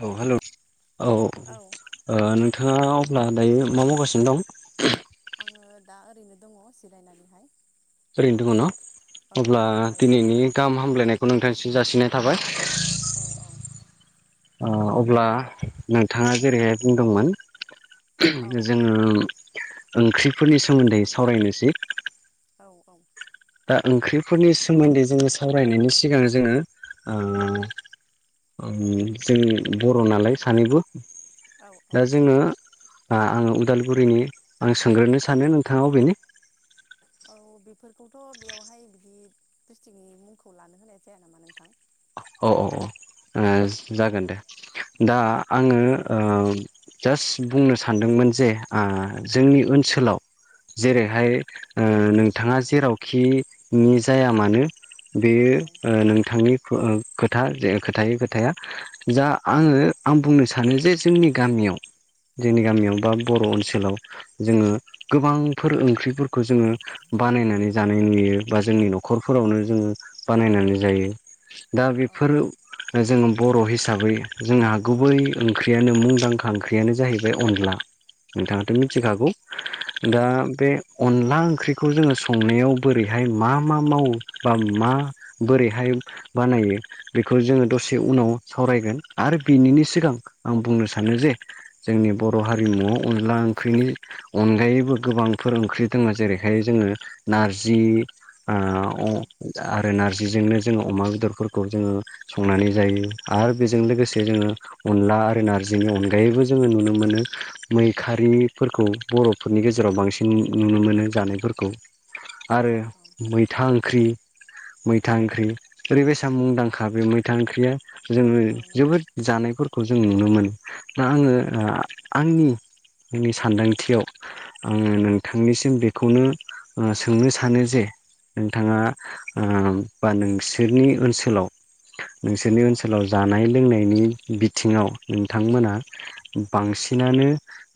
औ हेलौ औ ओ नोंथाङा अब्ला दायो मा मावगासिनो दं? आङो दा ओरैनो दङ जिरायनानैहाय। ओरैनो दङ ना औ अब्ला नोंथाङालाय? दिनैनि गाहाम हामब्लायनायखौ नोंथांसिम जासिनाय थाबाय। औ औ ओ अब्ला नोंथाङा जेरैहाय बुंदोंमोन औ जोङो ओंख्रिफोरनि सोमोन्दै सावरायनोसै औ औ दा ओंख्रिफोरनि सोमोन्दै जोङो सावरायनायनि सिगां जोङो ओ ओं जों बर' नालाय सानैबो औ औ दा जोङो आङो उदालगुरिनि आं सोंग्रोनो सानो नोंथाङा अबेनि? औ बेफोरखौथ' बेयावहाय बिदि द्रिस्टि्कनि मुंखौ लानो होनाया जाया नामा नोंथां औ औ औ जागोन दे दा औ आङो ओ जास्ट बुंनो सानदोंमोन जे जोंनि ओनसोलाव औ जेरैहाय ओ नोंथाङा जेरावखिनि जाया मानो औ बेयो ओ औ नोंथांनि खोथा जे खोथायै खोथाया जा आङो आं बुंनो सानो जे जोंनि गामियाव औ जोंनि गामियाव बा बर' ओनसोलाव जोङो गोबांफोर ओंख्रिफोरखौ जोङो बानायनानै जानाय नुयो बा जोंनि न'खरफोरावनो जोङो बानायनानै जायो दा औ औ बेफोर नंगौ जोङो बर' हिसाबै जोंहा औ गुबै ओंख्रियानो मुंदांखा ओंख्रियानो जाहैबाय अनला औ नोंथाङाथ औ मिथिखाखौ औ दा नंगौ बे अनला ओंख्रिखौ जोङो संनायाव बोरैहाय मा मा मावो बा मा बोरैहाय बानायो बेखौ जोङो दसे उनाव सावरायगोन आरो बिनिनि सिगां आं बुंनो सानो औ सानो जे जोंनि बर' हारिमुआव अनला ओंख्रिनि अनगायैबो गोबांफोर ओंख्रि दङ जेरैहाय जोङो नारजि आ औ ओ रो नारजिजोंनो जोङो अमा बेदरफोरखौ जोङो संनानै जायो आरो बेजों लोगोसे जोङो अनला आरो नार्जिनि अनगायैबो जोङो नुनो मोनो मैखारिफोरखौ बर'फोरनि गेजेराव बांसिन नुनो मोनो जानायफोरखौ औ आरो मैथा ओंख्रि मैथा ओंख्रि ओरैबायसा मुंदांखा बे मैथा ओंख्रिया जोङो औ नंगौ जोबोद जानायफोर खौ जों नुनो मोनो दा आङो आ आंनि सानदांथियाव आङो नोंथांनिसिम बेखौनो ओ सोंनो सानो जे नोंथाङा औ ओ बा नोंसोरनि ओनसोलाव औ नोंसोरनि औ ओनसोलाव जानाय लोंनायनि बिथिङाव नोंथांमोना बांसिनानो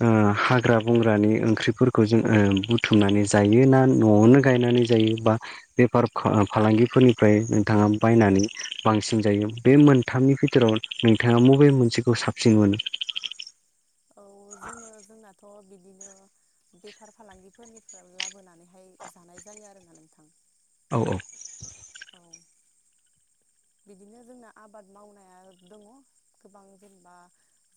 ओ हाग्रा बंग्रानि ओंख्रिफोरखौ जों बुथुमनानै जायो ना न'आवनो गायनानै जायो बा बेफार फालांगिफोरनिफ्राय नोंथाङा बायनानै बांसिन जायो बे मोनथामनि बिथोराव नोंथाङा मबे मोनसेखौ साबसिन मोनो? औ जोङो जोंनाथ' बिदिनो बेफार फालांगिफोरनिफ्राय लाबोनानै हाय जानाय जायो आरोना नोंथां औ औ बिदिनो जोंना आबाद मावनाया दङ गोबां जेनेबा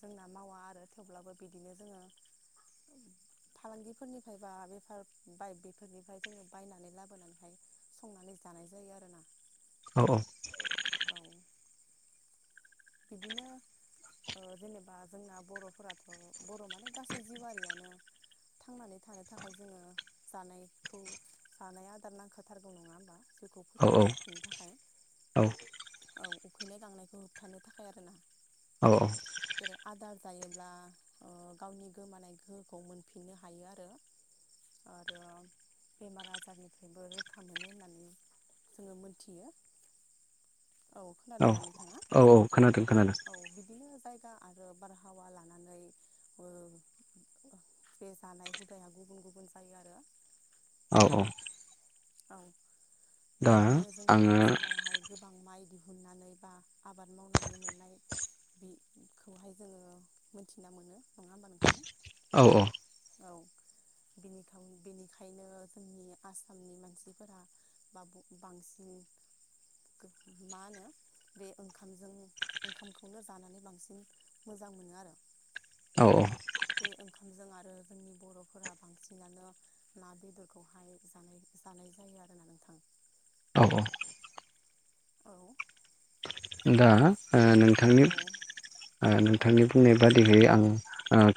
जोंना मावा आरो थेवब्लाबो बिदिनो जोङो [inaudible] फालांगिफोरनिफ्राय बा बेफार बाय बेफोरनिफ्राय जोङो बायनानै लाबोनानैहाय संनानै जानाय जायो आरोना औ औ औउ बिदिनो ओ जेनेबा जोंना बर' फोराथ' बर' माने गासै जिउआरियानो थांनानै थानो थाखाय जोङो जानायखौ जानाय आदार नांखा थारगौ नङा होमबा जिउखौ औ फोथांना लाखिनो थाखाय औ औ उखैनाय गांनायखौ थानो थाखाय आरोना औ औ जेरै आदार अब्ला ओ गावनि गोमानाय गोहोखौ मोनफिननो हायो आरो आरो बेमार आजारनिफ्रायबो रैखा मोनो होननानै जोङो मोनथियो [inaudible] औ खोनादोंना नोंथाङा औ औ खोनादों खोनादों औ बिदिनो जायगा आरो बारहावा जानानै ओ बे जानाय हुदाया गुबुन गुबुन जायो आरो औ औ औ दा बिदिनो जोंना आङो आसामावहाय गोबां माइ दिहुननानै बा आबाद मावनानै मोननाय बि खौहाय जोङो मोनथिना मोनो नङा होमबा नोंथां औ औ औ बिनिखायनो जोंनि आसामनि मान मानसिफोरा बा बांसिन मा होनो बे ओंखामजों ओंखामखौनो जानानै बांसिन मोजां मोनो आरो औ-औ बे ओंखामजों आरो जोंनि बर'फोरा बांसिनानो ना बेदरखौहाय जानाय जानाय जायो आरोना नोंथां औ-औ औ दा ओ बे ना नोंथांनि औ ओ औ नोंथांनि बुंनाय बादिहै आं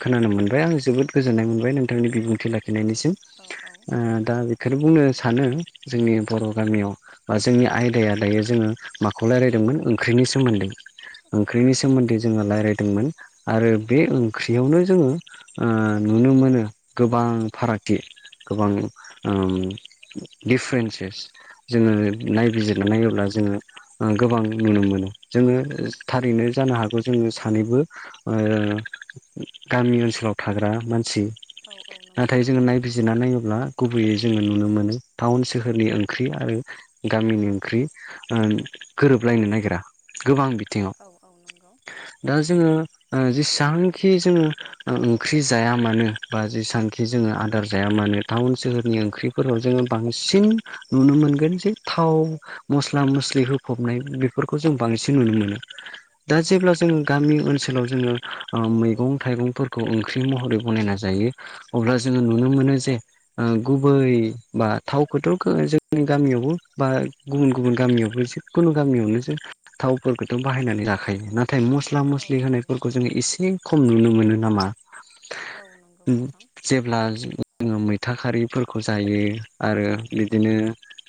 खोनानो मोनबाय आं जोबोद गोजोननाय मोनबाय नोंथांनि बिबुंथि लाखिनायनिसिम औ औ ओ दा औ बेखौनो बुंनो सानो जोंनि बर' गामियाव बा जोंनि आयदाया दायो जोङो माखौ रायलायदोंमोन ओंख्रिनि सोमोन्दै ओंख्रिनि सोमोन्दै जोङो रायलायदोंमोन आरो बे ओंख्रियावनो जोङो ओ नुनो मोनो गोबां फारागथि गोबां ओम दिफारेन्सेस जोङो औ नायबिजिरनानै नायोब्ला जोङो गोबां नुनो मोनो जोङो थारैनो जानो हागौ जोङो सानैबो ओ गामि ओनसोलाव थाग्रा मानसि औ औ नंगौ नाथाय जोङो नाय बिजिरना नायोब्ला गुबैयै जोङो नुनो मोनो टाउन सोहोरनि ओंख्रि आरो गामिनि ओंख्रि गोरोबलायनो नागिरा गोबां बिथिङाव औ-औ नंगौ दा जोङो ओ जेसांखि जोङो ओंख्रि जाया मानो बा जेसांखि जोङो आदार जाया मानो टाउन सोहोरनि ओंख्रि फोराव जोङो बांसिन नुनो मोनगोन जे थाव मस्ला मस्लि होफबनाय बेफोरखौ जों बांसिन नुनो मोनो दा जेब्ला जों औ गामि नंगौ ओनसोल ओनसोलाव जोङो ओ मैगं थाइगंफोरखौ ओंख्रि महरै बनायना जायो अब्ला जोङो नुनो मोनो जे गुबै बा थावखौथ' जोंनि गामियावबो बा गुबुन गुबुन गामियावबो जिखुनु गामियावनो जों थावफोरखौथ' बाहायनानै लाखा खायो नाथाय मस्ला औ मस्लि जायो होनायफोरखौ जोङो एसे खम नुनो मोनो नामा औ नंगौ नोंथां जेब्ला जोङो मैथा खारिफोरखौ जायो आरो बिदिनो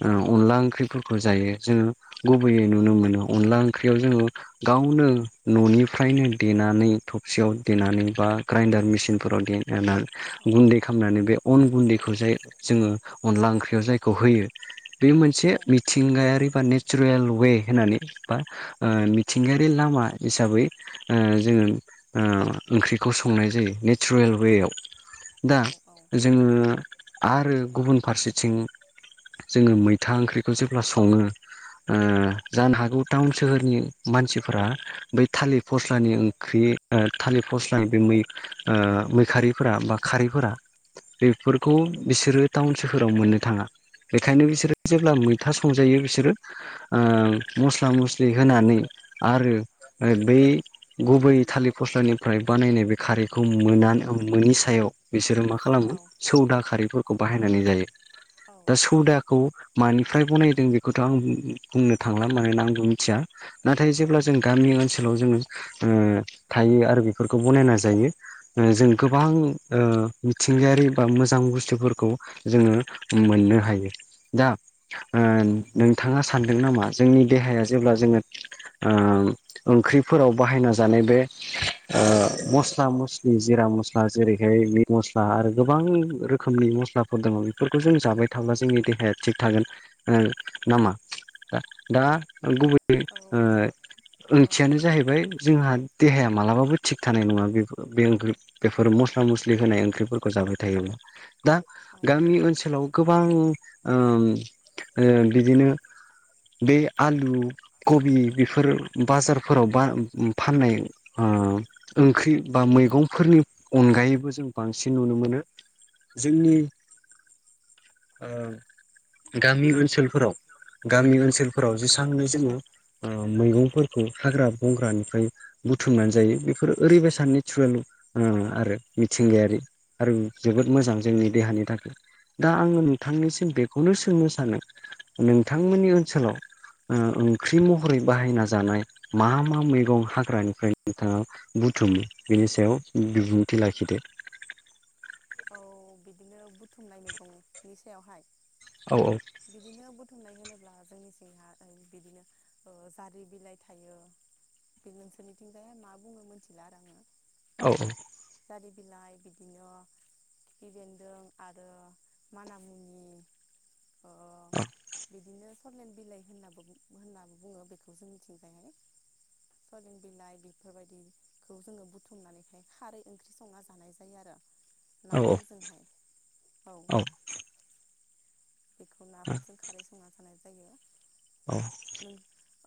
ओ अनला ओंख्रिफोरखौ जायो जोङो गुबैयै नुनो मोनो अनला ओंख्रियाव जोङो गावनो न'निफ्रायनो देनानै थबसेयाव देनानै बा ग्राइडार मेसिन प्र'दिन एनान औ गुन्दै औ खामनानै बे अन गुन्दैखौ जाय जोङो अनला ओंख्रियाव जायखौ होयो बे मोनसे औ मिथिंगायारि बा नेचारेल उए होननानै बा थिंगायारि लामा हिसाबै ओ जोङो ओंख्रिखौ संनाय जायो नेचारेल उएआव दा औ जोङो आरो गुबुन फारसेथिं जोङो मैथा ओंख्रिखौ जेब्ला सङो ओ जानो हागौ टाउन सोहोरनि मानसिफोरा बै थालिर फस्लानि ओंख्रि ओ थालिर फस्लानि बे मै ओ मैखारिफोरा बा खारैफोरा बेफोरखौ बिसोरो टाउन सोहोराव मोननो थाङा। बेखायनो बिसोरो जेब्ला मैथा संजायो बिसोरो ओ मस्ला मस्लि होनानै आरो बै गुबै थालिर फस्लानिफ्राय बानायनाय बे खारैखौ मोना मोनि सायाव बिसोरो मा खा औ खालामो सौदा खारैफोरखौ बाहायनानै जायो औ दा औ सौदा खौ मानिफ्राय बनायदों बेखौथ' उ उआं बुंनो थांला मानोना आंबो मिथिया। नाथाय औ जेब्ला जों गामि ओनसोलाव जोङो ओ थायो आरो बेफोरखौ बनायना जायो ओ जों गोबां ओ मिथिंगायारि बा मोजां बुस्थुफोरखौ जोङो मोननो हायो दा ओ नोंथाङा सानदों नामा जोंनि देहाया जेब्ला जोङो ओम ओंख्रिफोराव बाहायना जानाय बे ओ मस्ला मस्लि जिरा मस्ला जेरैहाय मिट मस्ला आरो गोबां रोखोमनि मस्ला फोर दङ' बेफोरखौ जों जाबाय थाब्ला जोंनि देहाया थिग थागोन ओ नामा? दा-दा गुबै ओ औ ओंथियानो जाहैबाय जोंहा देहाया मालाबाबो थिग थानाय नङा बेफो बे ओंख्रि औ बेफोर मस्ला नंगौ मस्लि होनाय ओंख्रिफोरखौ जाबाय थायोब्ला दा औ गामि ओनसोलाव गोबां ओम ओ बिदिनो बे आलु बि बेफोर बाजारफोराव बा फाननाय ओ ओंख्रि बा मैगंफोरनि अनगायैबो जों बांसिन नुनो मोनो। जोंनि ओ औ गामि ओनसोलफोराव गामि ओनसोलफोराव जेसांनो जोङो ओ मैगंफोरखौ हाग्रा बंग्रानिफ्राय बुथुमनानै जायो बेफोरो ओरैबायसा नेसुरेल ओ आरो मिथिंगायारि। आरो जोबोद औ मोजां औ जोंनि देहानि थाखै। दा आङो नोंथांनिसिम बेखौनो सोंनो सानो नोंथांमोननि ओनसोलाव ओ ओंख्रि [unintelligible] महरै बाहायना जानाय मा मा मैगं हाग्रानिफ्राय नोंथाङा बुथुमो बिनि सायाव बिबुंथि लाखिदो। औ बिदिनो बुथुमनाय मैगंनि सायावहाय औ औ बिदिनो बुथुमनाय होनोब्ला जोंनि थिंहा ओ बिदिनो ओ जारि बिलाइ थायो बे नोंसोरनिथिंजाय मा बुङो मोन्थिला आरो आङो। औ औ जारि बिलाइ बिदिनो खिफि बेन्दों आरो मानामुनि ओ बिदिनो सरलेन बिलाइ होननाबो बु होननाबो बुङो बेखौ जोंनिथिंजायहाय सरलिन बिलाइ बेफोरबायदिखौ जोङो बुथुमनानैहाय खारै ओंख्रि संना जानाय जायो आरो। नाफोरजोंहाय औ बेखौ औ नाफोरजों खारै संना जानाय जायो। अ' नों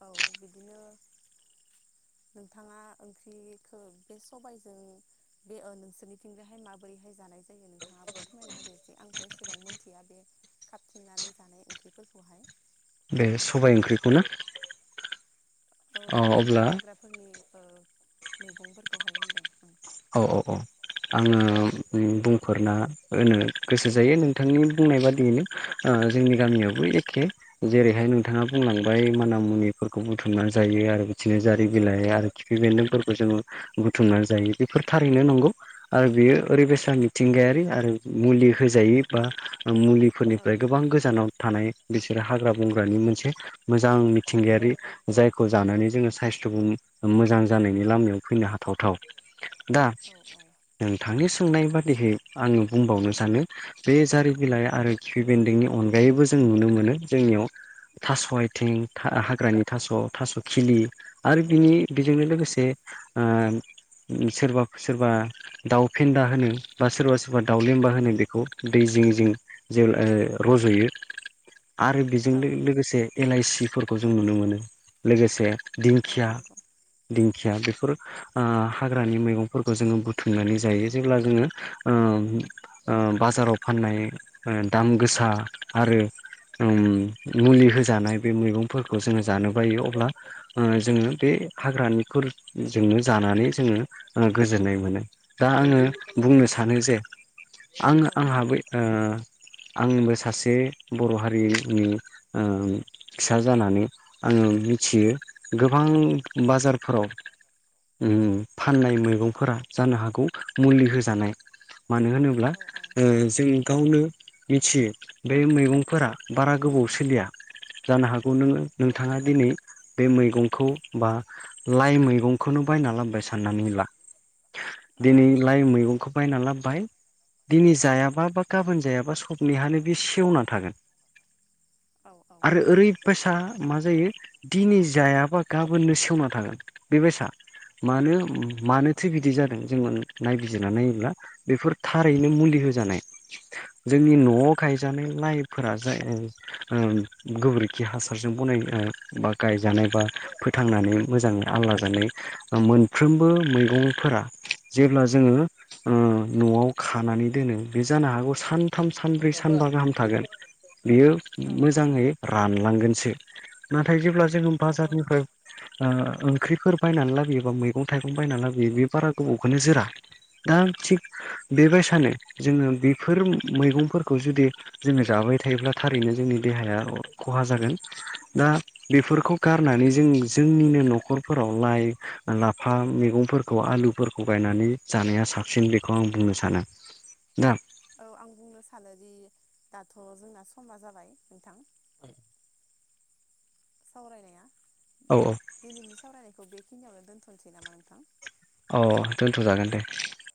औ बिदिनो नोंथाङा ओंख्रिखो बे सबायजों बे ओ नोंसोरनिथिंजायहाय माबोरैहाय जानाय जायो नोंथाङाबो फोरमायना होदो एसे आंथ' एसेबां मोनथिया बे खाबथिंनानै जानाय ओंख्रिफोरखौहाय बे सबाय ओंख्रिखौनो औ बिदिनो अब्ला हाग्राफोरनि ओ मैगंफोरखौहाय होनदों औ औ औ आङो उम बुंफोरना होनो गोसो जायो नोंथांनि बुंनाय बादियैनो ओ जोंनि औ गामियावबो एखे जेरैहाय नोंथाङा बुंलांबाय माना मुनिफोरखौ बुथुमना जायो आरो बिदिनो जारि औ बिलाइ आरोखि फि बेन्दोंफोरखौ जोङो बुथुमनानै जायो बेफोर थारैनो नंगौ आरो बेयो ओरै औ बेसा मिथिंगायारि आरो मुलि होजायै बा औ मुलिफोरनिफ्राय गोबां गोजानाव थानाय बिसोरो हाग्रा बंग्रानि मोनसे मोजां मिथिंगायारि जायखौ जानानै जोङो साइस्थ'बो मोजां जानायनि लामायाव फैनो हाथावथाव दा औ नोंथांनि सोंनाय बादियै आङो बुंबावनो सानो बे जारि बिलाइ आरो खिफि बेन्दोंनि अनगायैबो जों नुनो मोनो जोंनियाव थास' आथिं हाग्रानि थास' थास' खिलि आरो बिनि बेजोंनो औ लोगोसे ओ सोरबा सोरबा दाउ फेन्दा होनो बा सोरबा सोरबा दावलिमबा होनो बेखौ दै जिं जिं जेब्ला रज'यो आरो बेजों औ लो-लोगोसे एलआइसिफोरखौ जों नुनो मोनो लोगोसे औ दिंखिया नंगौ दिंखिया बेफोर ओ हाग्रानि मैगंफोरखौ जोङो बुथुमनानै जायो जेब्ला जोङो ओ ओ बाजाराव फाननाय दाम गोसा आरो उम मुलि होजानाय बे मैगंफोरखौ जोङो जानो बायो अब्ला ओ जोङो बे हाग्रानिखौ जोङो जानानै जोङो गोजोननाय मोनो दा आङो औ बुंनो सानो जे आंङो औ आंहाबो ओ आंबो सासे बर' हारिनि ओ‌ फिसा जानानै आङो मिथियो गोबां बाजारफोराव उम फाननाय मैगंफोरा जानो हागौ मुलि होजानाय मानो होनोब्ला औ ओ जों गावनो मिथियो बे मैगंफोरा बारा गोबाव सोलिया जानो हागौ नोङो औ नोंथाङा नंगौ दिनै बे मैगंखौ बा लाइ मैगंखौनो बायना लाबोबाय साननानै ला औ दिनैलाय मैगंखौ बायना लाबबाय दिनै जायाबा बा गाबोन जायाबा सबनिहानो बे सेवना थागोन औ आरो ओरै बायसा मा जायो दिनै जायाबा गाबोननो सेवना थागोन बे बायसा मानो मानोथो बिदि जादों जोङो नायबिजिरनानै नायोब्ला बेफोर थारैनो मुलि होजानाय जोंनि न'आव गायजानाय लाइफोरा जा ओ गोबोरखि हासारजों बनाय बा गायजानाय बा फोथांनानै मोजाङै आल लाजानाय मोनफ्रोमबो मैगंफोरा जेब्ला जोङो उम न'आव खानानै दोनो बे जानो हागौ सानथाम सानब्रै सानबा गाहाम थागोन। बियो औ मोजाङै रानलांगोनसो नाथाय जेब्ला जोङो औ औ बाजारनिफ्राय ओ ओंख्रिफोर बायनानै लाबोयो बा मैगं-थाइगं बायनानै लाबोयो बे बारा गोबावखौनो जोरा दा थिग बेबायसानो जोङो बेफोर मैगंफोरखौ जुदि जोङो जाबोबाय थायोब्ला थारैनो जोंनि देहाया खहा जागोन। दा बेफोरखौ गारनानै जों जोंनिनो न'खरफोराव लाइ ला फा मैगंफोरखौ आलुफोरखौ गायनानै जानाया साबसिन बेखौ आं बुंनो सानो दा। औ आं बुंनो सानोदि दाथ' जोंना समा जाबाय नोंथां। [inaudible] सावरायनाया औ औ। दिनैनि सावरायनायखौ बेखिनियावनो दोनथ'नोसै नामा नोंथां अ दोनथ'जागोन दे